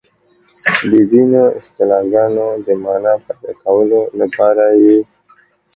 د ځینو اصطلاحګانو د مانا پيدا کولو لپاره یې